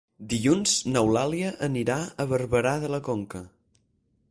Dilluns n'Eulàlia anirà a Barberà de la Conca.